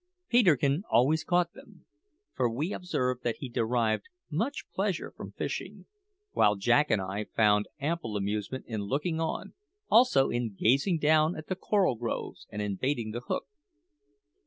Peterkin always caught them for we observed that he derived much pleasure from fishing while Jack and I found ample amusement in looking on, also in gazing down at the coral groves, and in baiting the hook.